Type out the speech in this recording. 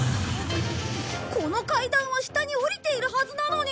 この階段は下に下りているはずなのに！